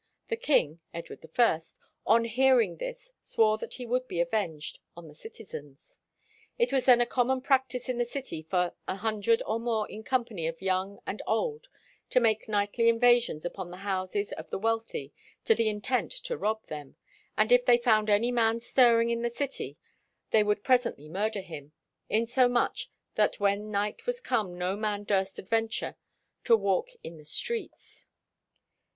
The king (Edward I) on hearing this "swore that he would be avenged on the citizens." It was then a common practice in the city for "an hundred or more in company of young and old to make nightly invasions upon the houses of the wealthy, to the intent to rob them, and if they found any man stirring in the city they would presently murder him, insomuch that when night was come no man durst adventure to walk in the streets."